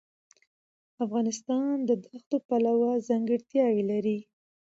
افغانستان د دښتو پلوه ځانګړتیاوې لري.